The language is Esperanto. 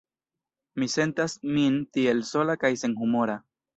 Mi sentas min tiel sola kaj senhumora."